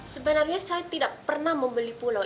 sebenarnya saya tidak pernah membeli pulau